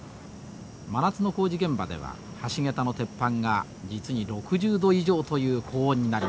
真夏の工事現場では橋桁の鉄板が実に６０度以上という高温になります。